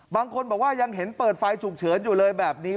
บางคนบอกว่ายังเห็นเปิดไฟฉุกเฉินอยู่เลยแบบนี้